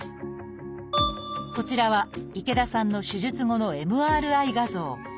こちらは池田さんの手術後のＭＲＩ画像。